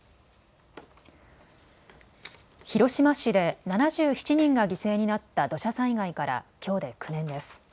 広島市で７７人が犠牲になった土砂災害からきょうで９年です。